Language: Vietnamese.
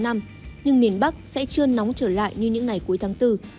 nhưng miền bắc sẽ chưa nóng trở lại như những ngày cuối tháng bốn